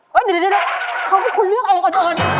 เดี๋ยวเขาให้คุณเลือกเองก่อนโดน